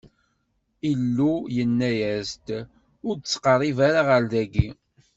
Illu yenna-as-d: Ur d-ttqerrib ara ɣer dagi!